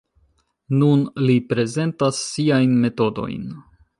Nun li prezentas siajn metodojn.